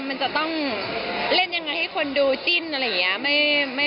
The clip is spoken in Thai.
มันจะต้องเล่นยังไงให้คนดูจิ้นอะไรอย่างนี้